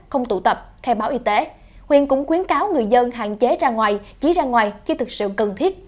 không tụ tập khe báo y tế huyện cũng quyến cáo người dân hạn chế ra ngoài chỉ ra ngoài khi thực sự cần thiết